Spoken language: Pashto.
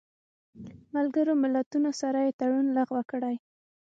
ملګرو ملتونو سره یې تړون لغوه کړی